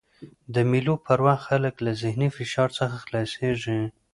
د مېلو پر وخت خلک له ذهني فشار څخه خلاصيږي.